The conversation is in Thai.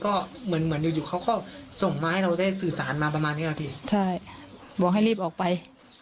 ใช่หวังให้ลีบออกไป